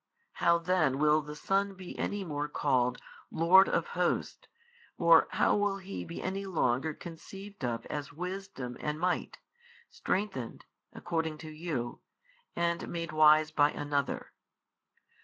How then will the Son be any more called Lord of Hosts or how will He be any longer conceived of as Wisdom and Might, strengthened (according to you) and made wise by another?